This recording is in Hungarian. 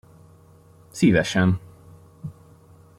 Szívesen!